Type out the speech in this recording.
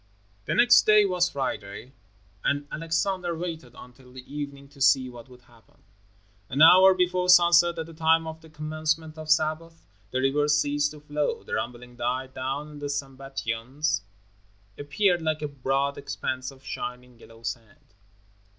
The next day was Friday, and Alexander waited until the evening to see what would happen. An hour before sunset, at the time of the commencement of Sabbath, the river ceased to flow. The rumbling died down and the Sambatyon appeared like a broad expanse of shining yellow sand.